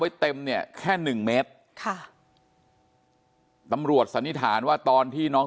เต็มเนี่ยแค่หนึ่งเมตรค่ะตำรวจสันนิษฐานว่าตอนที่น้อง